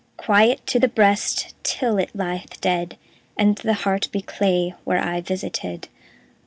Quiet to the breast Till it lieth dead, And the heart be clay Where I visited.